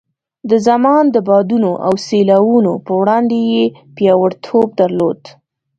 د زمان د بادونو او سیلاوونو په وړاندې یې پیاوړتوب درلود.